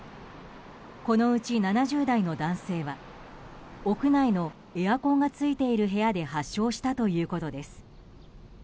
このうち７０代の男性は屋内のエアコンがついている部屋で発症したということです。